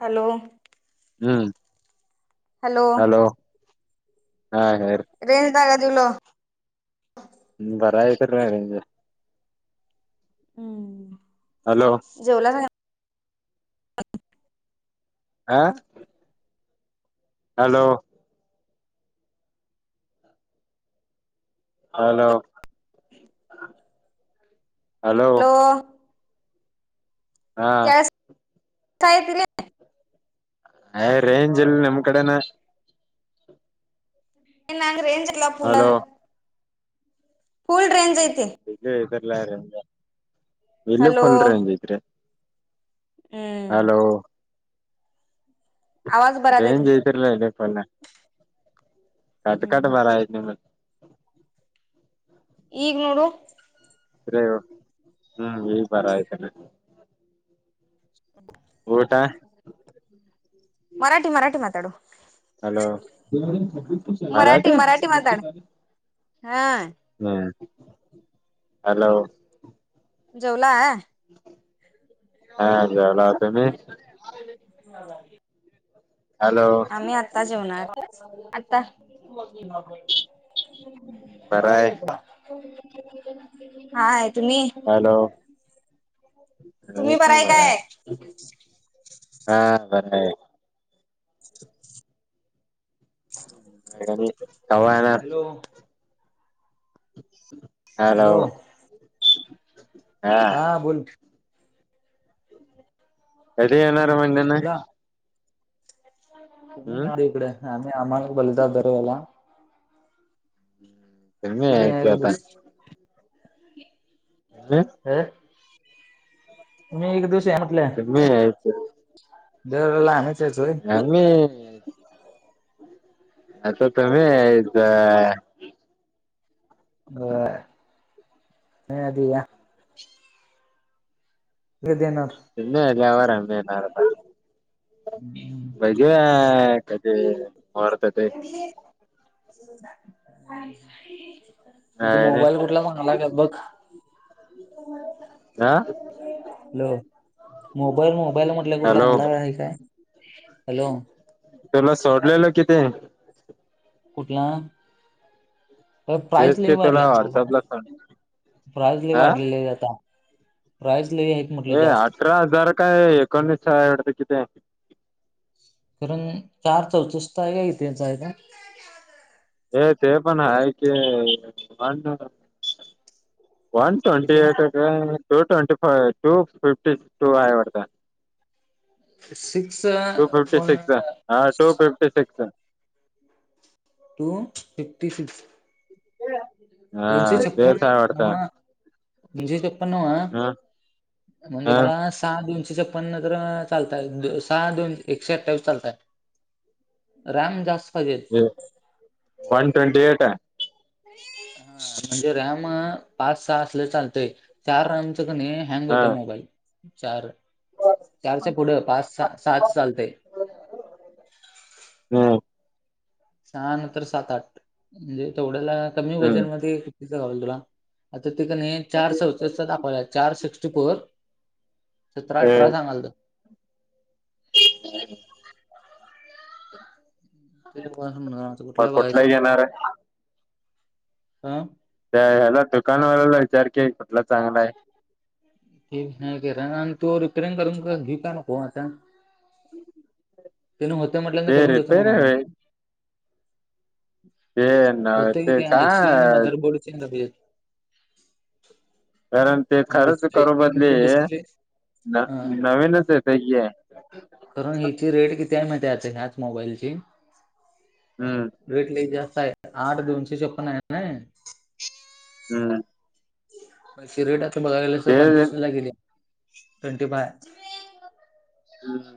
Hello. हम्म, hello, [unintelligible] range [unintelligible] गा दिलो. हम् बरायका [unintelligible] हम्. हॅलो. जेवला. आह हॅलो, हॅलो [inaudible] हॅलो गॅस [inaudible] काहीतरी अय रेंज अल नम कडन [inaudible] [unintelligible] हॅलो. फुल रेंज येते. [unintelligible] हॅलो. आवाज बरात [unintelligible] [unintelligible] कट कट बरा यत [unintelligible] इग नोडू. [unintelligible] [inaudible] [unintelligible] टा. मराठी मराठी मात्याडू. हॅलो [unintelligible] मराठी मराठी हा हम्म, हॅलो. जेवला आहे. हा जेवलो तुम्ही? [inaudible] हॅलो आम्ही आत्ता जेवणार, आता. बरा आहे हा आहे तुम्ही? हॅलो, आम्ही तुम्ही पण बराय काय बरं हाय. [unintelligible] [unintelligible] कवा येणार? Hello hello. हा बोल. कधी येणार बोला [unintelligible] हम् तुम्ही इकडे आम्ही आम्हाला बोलत दरवेळेला. [inaudible] तुम्ही या यायचं एक आता दुस. हम्. हं. तुम्ही एक दिवस या म्हणलं, तुम्ही यायचं दरवेळेला आम्हीच यायचं व्हय. [unintelligible] [unintelligible] ग दे ना. [unintelligible] [unintelligible] हे‌. तू काय रे मोबाईल कुठला म्हणालाय काय बघ. हा हॅलो मोबाईल मोबाईल म्हटलं कुठला हॅलो चांगला आहे काय. हॅलो. तुला सोडलेलं किते कुठला. प्राईज तेच लइ ते तुला वाढल्यात बाबा व्हॉट्सअपला सोड प्राईज ल हा वाढलेले आता प्राईज लई आहेत. म्हटलं ए जास्त अठरा हजार काय एकोणीस हाय वाटतं की ते. कारण चार चौकष्ट तर आहे का इथेच आहे का. हे ते पण आहे की [unintelligible] वन ट्वेन्टी किती eight, two twenty five, two fifty two आहेवडत. शिक्षा टू फिफ्टी म्हण सिक्स [unintelligible] हा two fifty six. Two fifty six. हो. दोनशे छपन्न नवा दोनशे छपनवा हा म्हणजे हा मला. सहा दोनशे छपन्न तर चालतात सहा दोनश एकशे अठ्ठावीस चालतात. रॅम जास्त पाहिजे. वन ट्वेंटी एट आहे. ह म्हणजे रॅम पाच सहा असल्या चालतय चार रॅमच कणी हँग हा होते मोबाईल चार चारच्या पुढे पाच सात चालते. हम. सहाानंतर सात आठ म्हणजे तेवढ्याला कमी हम्म वजन मध्ये तंाल तुला आता तिक न चार चौस दाखवला चार सिक्स्टी फोर. सतरा ते अठरा सांगाल त हम्. घच मग कुठला बघायचं घेणार आहे हा. त्या ह्याला दुकानवाल्याला विचार की कुटला चांगला आहे. ते वि नाहीरा आणि तो रिपेरिंग करून घेऊ का नको आता. तिने होते म्हटल्यानंतर ते करून घेतो रिपेर म्हणाला आहे मी ते नव्हे होते की ते त्या एसि आणि काय मधरबोर्ड ज कारण ते आणि खरंच डिस्प्ले करू मेन म्हणजे बदली. डिस्प्ले हा नवीनच येतंय की कारण हिची रेट किती आहे माहिती आता ह्याच मोबाईलची. हम्म. वेट लइ जास्त आहे आठ दोनसे दि उची चप नाहीय नाही हम्म. रेट आता बघाय गेले अस ते पंच वीस ला गेली ट्वेंटी फाय हम्.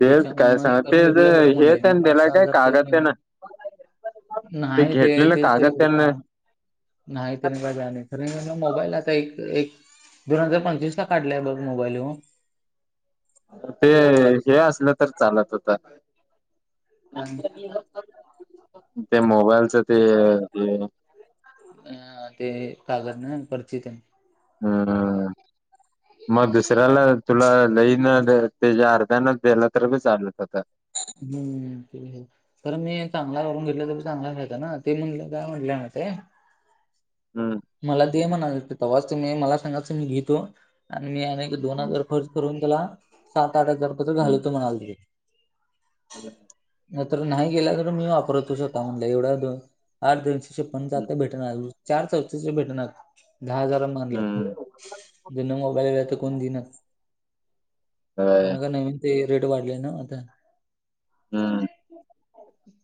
तेलच काय त्याच्यामुळे सांग ते करून ज घेतलेलं बरं म्हटलं येत आहे मी ना पाच त्याला सहा काय हजार तर कागद आहे ना [unintelligible] नाही ते तेच त्यान उडकान. नाही त्यांने का जाणे खर म ना मोबाईल आता एक एक दोन हजार पंचवीस ला काढलाय बघ मोबाईल‌ ह्यो ते हे असलं तर चालत होत काय ते मोबाइलचे ते ह ते कागद नाही परचित हम् हम मग दुसऱ्याला तुला लईन त्याच्या अर्ध्यान दिलं तर ब चालत होता हम्म ते आहे तर मी चांगला करून घेतलं तरी चांगला राहीतन ना ते म्हणलं काय म्हटलं ना ते हम्म.... मला दे म्हणाले तेव्हाच मी मला सांगायच मी घेतो आणि मी.. दोन हजार खर्च करून त्याला सात आठ हजार घालवत म्हणाल तिथे... अ.... न तर नाही गेला तर मी वापरतो स्वतः म्हणलं एवढा... आठ दोशेशे पंचाहत्तर भेटणार चार चौथ भेटणार दहा हजार. हम्म हम्म ज्यान मोबाईलता कोण घेण त्यानं काणि ते रेट वाढलेय ना आता हा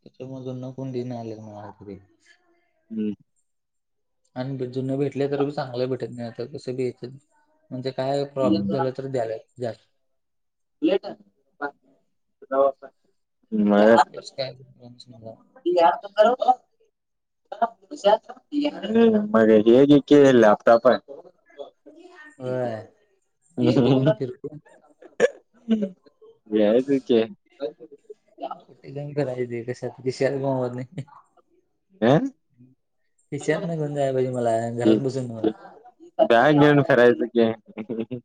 त्याच्यामधून नकून दिन आलेत मला तरी हम.... आणि जुने भेटले तर बी चांगलं भेटत नाही आता कस बी येते... म्हणजे काय प्रॉब्लेम झाला तर द्याला द्याला... आहे म... कस काय.... या बरोबर... मग की के लॅपटॉप आहे.... ह आणि कुठे घेऊन फिरलो.... याय तक.... कुठे करायच कशात कि शेयर जमत नाही.... अ खिशात घेऊन जायला पाहिजे मला घरात बसून बॅग घेऊन फिरायचं की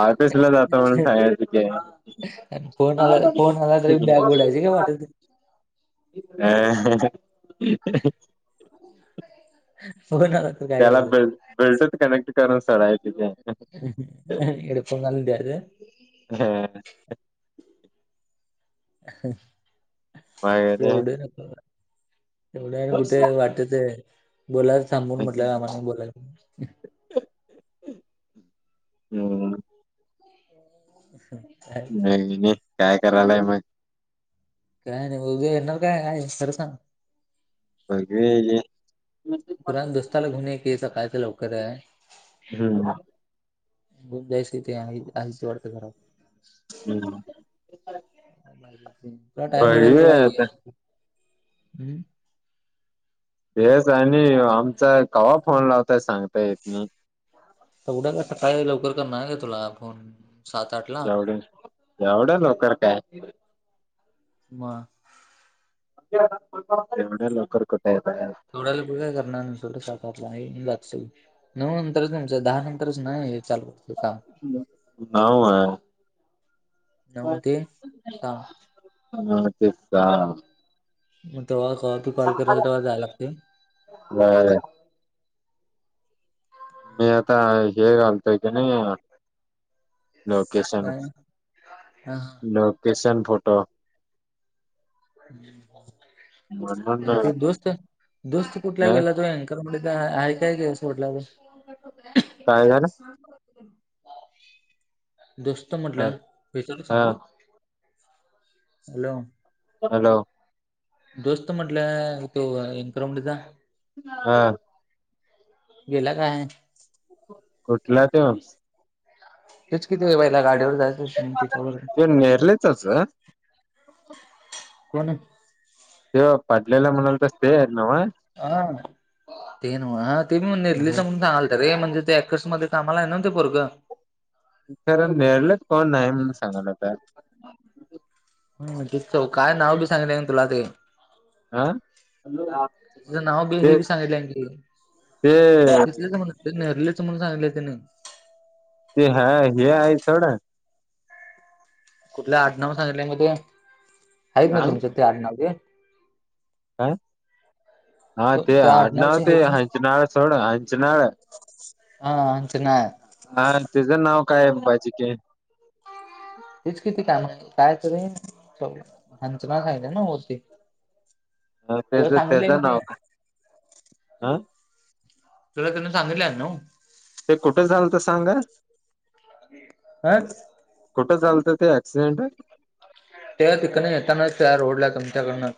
आज कशाला जात म्हणून सांगायचं..... फोन आला अ फोन आला तरी बॅग उडायची काय [inaudible] वाटत नाही. ह ह हो ना.... त्याला बेल ब्लूटूथ कनेक्ट करून सोडायची की हेडफोन घालून द्यायच... मग एवढे नको... एवढं आणि कुठे वाटच आहे बोला... थांबुन म्हटलं आम्हाला बोलाय.... हम.... अच्छा नाही काय करालाय मग.... काय नाही उद्या येणार काय काय खरं सांग... बघ ये.... पुराण दोस्ताला घेऊन ये की कायच लवकर आहे... हम्म.... घऊन जायचं ते आच वाटतं घरा... हम.... तुला टाइम भेटेल तेव्हा आता ये..... ए एस आय ने आमचा केव्हा फोन लावताय सांगता येत नाही... तेवढं का सकाळी काय लवकर करनार तुला फोन... सात आठ ला एवढ एवढ्या लवकर काय? म... एवढ्या लवकर कुठे येत आहेत.. थोड्याला बघ काय करणार स सातातला आहे जातल.. नऊ नंतरच तमचं दहा नंतरच नाही चालत... हऊ आहे... नऊ ते सहा... ह ते.... मग तेव्हा त कॉल कराल तेव्हा जायला लागते... बर... मी आता हे घालतोय की नाही... लोकेशन काय हा हा लोकेशन फोटो.... म्हणून ते दोस्त, दोस्त कुठला अ गेला तो हाय म्ह आहे काय का असं म्हटलं... काय झालं दोस्त ह म्हटलं [unintelligible] हा सांगू, हॅलो. हॅलो. दोस्त म्हटलं तो [unintelligible] मध्ये जा. हा. गेला काय कुठला त्यो? हेच की ते बैलागाडीवर जायचं, ते नेरलेचच [unintelligible] कोणाचं? तेव पडलेला म्हणुन बसते आहेत नव. आ, ते नव्ह ते म्हण नेर्लीचा म्हणून आल तारे, म्हणजे ते ऍकर्स मध्ये कामाला आहे ना त्यो पोरगं? ते रं निरलेत कोण नाही म्हणून सांगायल्यात. हा [unintelligible] काय नाव बी सांगाय नाय तुला ते. हं, तिचं नाव बी हे तेच बी सांगितलं की ते ते नेरलीच म्हणून सांगितलंय तेनी. ते हा, हे आहे सोड. कुठल्या आडनाव सांगितल्या मग ते. हाईत हा नव्हं तुमच्यात ते आडनाव? ह, हा ते त्या आडनाव आडनावचे ते आहेत ना? हंचनाळ सोड हंचनाळ. हा हंचनाळ. हा तेज नाव काय हाय बाजीके? हेच की ते काय [unintelligible] कायतरी हंचनाळ सांगितलं नव्ह मावशी? ह तेच तेच मी ते नाव हं. तुला त्यांना सांगितलंय आडनाव? ते कुठं झालंत सांग. [unintelligible] कुठं झालतं ते ऍक्सिडेंट? ते तिकडनं येताना त्या रोडला तुमच्याकडनं.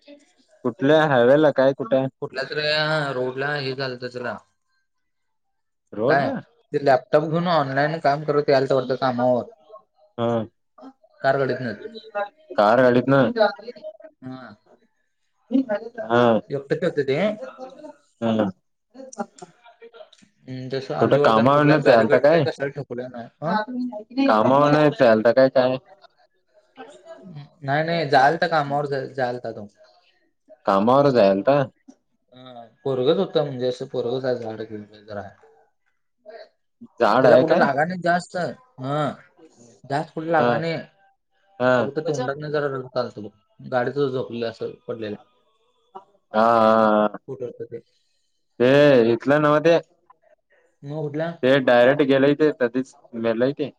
ह कुठल्या हायवेला, काय कुठं? कुठल्या तर या रोडला, हे झालतं तेला. रोड काय, ला ते लॅपटॉप घेऊन ऑनलाईन काम करत याल तर वाटतं कामावरून. हा कार गाडीतनं. [unintelligible] कार गाडीतनं? हा. हा. एकटच हुतं ते? हं. अं धर. आलेय कुठं वरती अन् कुठल्या कामावरन चालता काय [unintelligible] आं कामावरन चालता काय काय हुं, नाही नाही जायालता कामावर, जायालता तो. कामावर जायलता? आं पोरगच होत, म्हणजे असं पोरगच जाड बिड काय तर हाय. झाड त्याला आहे कुठ काय लागाय नयी जास्त. हं. जास्त कुठ ह लागाय ह नयी. हा फक्त तोंडातन जरा रक्त आलतं बघ. गाडीतच झोपलंय असं पडल्यालं. हा हा हा, ते ते इथलं नव्ह ते. म उडला. ते डायरेक्ट गेलेय ते कधीच मेलय ते.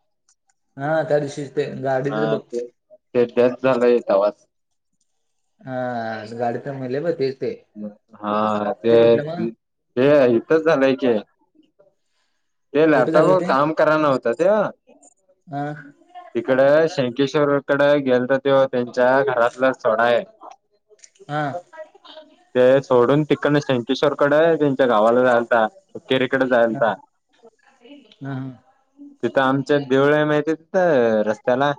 हा त्या दिवशीच ते हा गाडीच बघ ते, [unintelligible] हां गाडीतच मेलंय बघ तेच ते. हां ते, कुठलं मग ते इथच झालंय की. ते कुठे झालं लॅपटॉपवर ते काम करायला नव्हता त्यो. हा हिकड शेंकेश्वर कडे गेलता त्यो त्यांच्या घरासलास सोडाय. हां. ते सोडूनं तिकंडन शंकेश्वर कड त्यांच्या गावाला जायालता. हुक्केरीकड हा हा जायंलता. हा तिथं आमच्यात देऊळ माहितेय तिंथ रस्त्याला.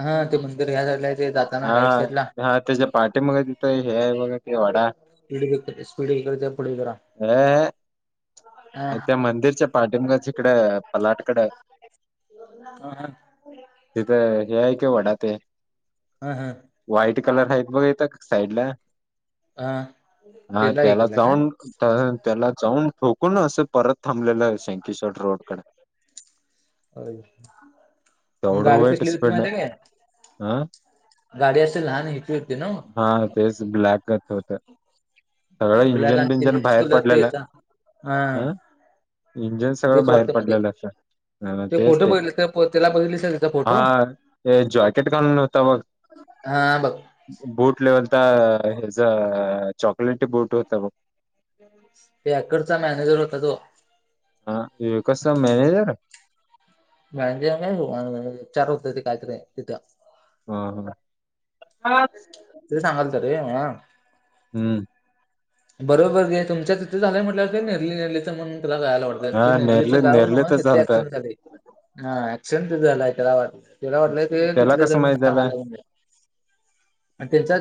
हां ते मंदिर ह्या साईडला ते जाताना राईट साईड ला. हां तेज्या पाठीमाग तिथं हे हाय बघा ते वडा. स्पीड गेलत [unintelligible] स्पीडब्रकरच्या पुढे जरा. आणि हा त्या मंदिरच्या पाठिमागंच हिकड पलाटकड. हां हां. तिथं हे हायकी वडा ते. हां हां. व्हाईट कलर हायीत बघ इथक साईडला, हा हां तिला हे त्याला केलं काय? जाऊन अं त्याला जाऊन ठोकु ठोकून असं परत थांबलेलांय सेंकिश्वर रोडकड. तेवढं गाडी वाईट कसली होती स्पीड माहीतेय काय? हा गाडी अशी लहान हेची होती नव्ह. हां तेच ब्लॅक [unintelligible] होत, सगळं इंजन बिंजन बाहेर पडल्यालं. हां. इंजिन सगळं बाहेर पडल्यालं असं. हा तेच फोटो ते, बघितले त्या त्याला बघितलीस का त्याचा फोटो? हां ते जॉकेट घालून होता बघ. हां बघ. बूट लेवलत हेज चॉकलेट बूट होतं बघ. ते आक्कडचा मॅनेजर होता तो. हां विकासचा मॅनेजर. [unintelligible] चार होत ते काहीतरी तिथं. [unintelligible] ते सांगालातो रे [unintelligible] हम्म. बरोबर घे तुमच्या तिथे झालयं म्हटंल्यावर नेरली नेरलीच म्हणून तुला जायाला वाट हा वरती नेरले निर्लीचं गाव नेरले नव्ह तर तेथे चालत. ऍक्सिडेंट झालय. हां ऍक्सिडेंट तिथ झालाय त्याला वाट त्याला वाटलंय की त्याला तिथलच हाय कसं म्हणून माहित झालं सांगालोय मी. आणि त्याच्यात.